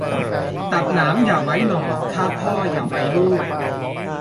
ตัดหนามอย่าไว้หน่อ ฆ่าพ่ออย่าไว้ลูก